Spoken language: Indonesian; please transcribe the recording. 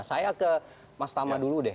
saya ke mas tama dulu deh